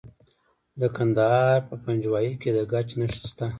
د کندهار په پنجوايي کې د ګچ نښې شته.